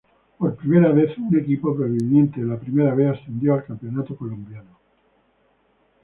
Por primera vez un equipo proveniente de la Primera B ascendió al Campeonato colombiano.